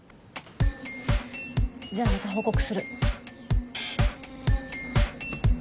じゃあまた報告する。